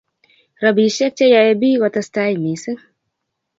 robisiek che yoe biik kotestai mising'